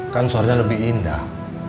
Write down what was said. kan suaranya lebih indah